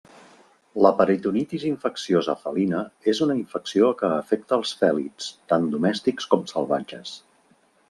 La Peritonitis Infecciosa felina és una infecció que afecta els fèlids, tant domèstics com salvatges.